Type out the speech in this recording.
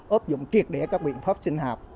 ốp dụng triệt để các biện pháp sinh hạt